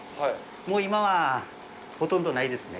もう今は、ほとんどないですね。